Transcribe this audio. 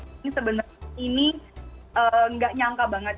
ini sebenarnya ini nggak nyangka banget